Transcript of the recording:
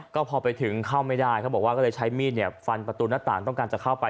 ก็พอไปถึงเข้าไม่ได้เขาบอกว่าก็เลยใช้มีดฟันประตูหน้าต่างต้องการจะเข้าไป